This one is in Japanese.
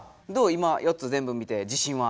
今４つ全部見て自信は。